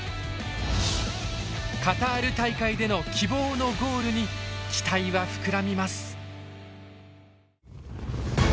カタール大会での希望のゴールに期待は膨らみます。